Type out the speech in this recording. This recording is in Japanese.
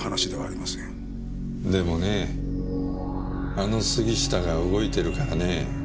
でもねあの杉下が動いてるからねぇ。